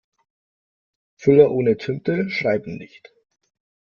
Füller ohne Tinte schreiben nicht.